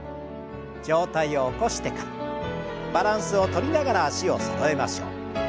上体を起こしてからバランスをとりながら脚をそろえましょう。